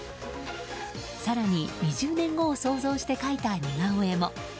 更に、２０年後を想像して描いた似顔絵も。